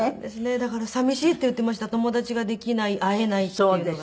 だから寂しいって言っていました友達ができない会えないっていうのが。